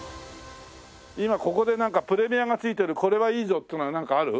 今ここでなんかプレミアがついてるこれはいいぞっていうのはなんかある？